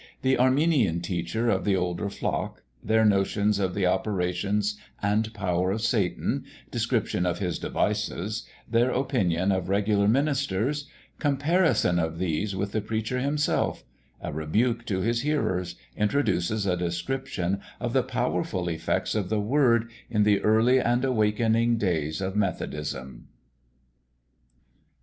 The Arminian Teacher of the older Flock Their Notions of the operations and power of Satan Description of his Devices Their opinion of regular Ministers Comparison of these with the Preacher himself A Rebuke to his Hearers; introduces a description of the powerful Effects of the Word in the early and awakening Days of Methodism.